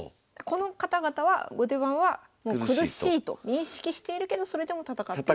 この方々は後手番はもう苦しいと認識しているけどそれでも戦っていると。